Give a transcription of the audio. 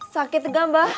sakit gak mbah